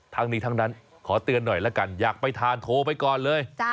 ทั้งนี้ทั้งนั้นขอเตือนหน่อยละกันอยากไปทานโทรไปก่อนเลย